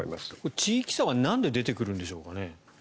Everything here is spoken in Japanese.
地域差はなんで出てくるんでしょうかね？